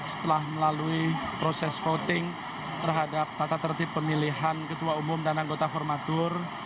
setelah melalui proses voting terhadap tata tertib pemilihan ketua umum dan anggota formatur